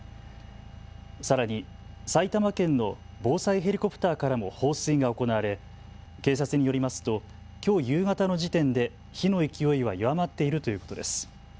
さらに埼玉県の防災ヘリコプターからも放水が行われ警察によりますときょう夕方の時点で火の勢いは弱まっているということです。